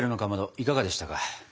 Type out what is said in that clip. いかがでしたか？